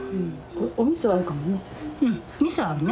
おみそ合うかもね。